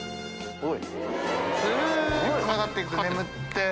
おい！